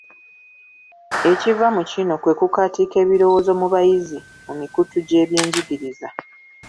Ekiva mu kino kwe kukaatika ebirowoozo mu bayizi mu mikutu gy'ebyenjigiriza,